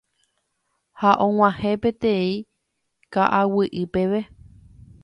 ha og̃uahẽ peteĩ ka'aguy'i peve